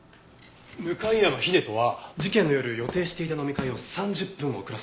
向山秀人は事件の夜予定していた飲み会を３０分遅らせています。